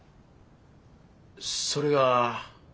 それが。